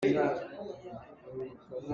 Ka fapa a si lo.